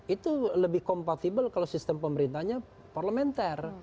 itu lebih kompatibel kalau sistem pemerintahnya parlementer